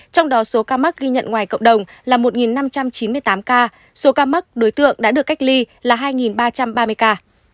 trong đó số ca mắc ghi nhận ngoài cộng đồng là một năm trăm chín mươi tám ca số ca mắc đối tượng đã được cách ly là hai ba trăm ba mươi ca